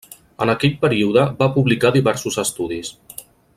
En aquell període va publicar diversos estudis.